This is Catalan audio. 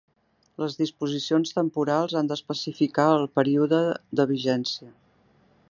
Les disposicions temporals han d'especificar el període de vigència.